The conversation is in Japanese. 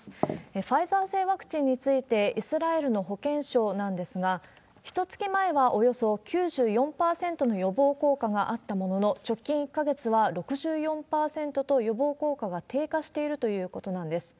ファイザー製ワクチンについてイスラエルの保健省なんですが、ひとつき前はおよそ９４％の予防効果があったものの、直近１か月は６４％と、予防効果が低下しているということなんです。